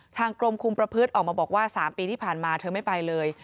ทางกรมคุมประพฤติออกมาบอกว่า๓ปีที่ผ่านมาเธอไม่ไปเลย